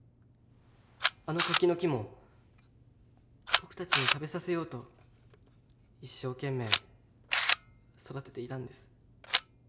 あの柿の木も僕たちに食べさせようと一生懸命育てていたんです。